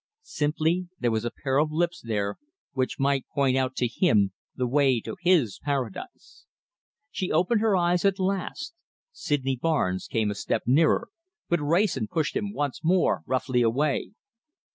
Simply there was a pair of lips there which might point out to him the way to his Paradise. She opened her eyes at last. Sydney Barnes came a step nearer, but Wrayson pushed him once more roughly away.